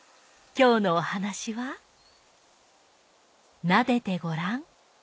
今日のお話は『なでてごらん』